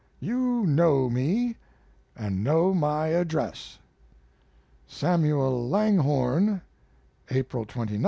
You know me, and know my address. SAMUEL LANGHORNE. April 29, 1871.